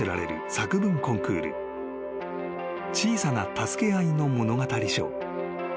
［小さな助け合いの物語賞］